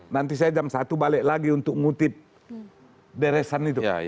nanti saya jam satu balik lagi untuk ngutip deresan itu